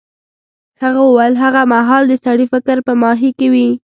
هغه وویل هغه مهال د سړي فکر په ماهي کې وي.